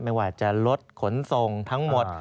ไม่ว่าจะรถขนส่งทั้งหมด